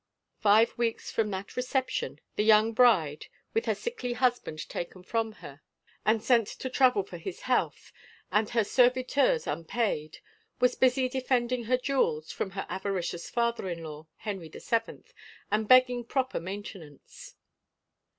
Five weeks from that reception, the young bride, with her sickly husband taken from her 93 THE FAVOR OF KINGS and sent to travel for his health, and her serviteurs unpaid, was busy defending her jewels from her avari cious father in law, Henry the Seventh, and begging proper maintenance.